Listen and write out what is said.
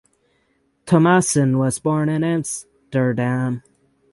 Thomassen was born in Amsterdam.